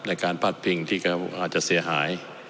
ในการพาดพิงที่อาจจะเสียหาย